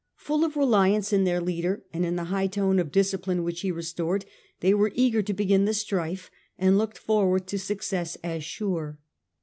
Full of reliance in their leader, and in the high tone of discipline which he restored, they were eager to begin the strife and looked forward to success as sure.